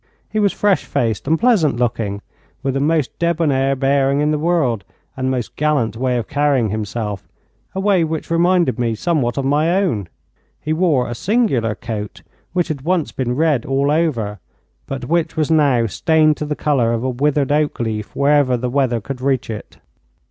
He was fresh faced and pleasant looking, with the most debonair bearing in the world and the most gallant way of carrying himself a way which reminded me somewhat of my own. He wore a singular coat which had once been red all over, but which was now stained to the colour of a withered oak leaf wherever the weather could reach it.